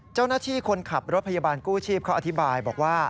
เจ้าหน้าที่คนขับรถพยาบาลกู้ชีพเขาอธิบายบอกว่า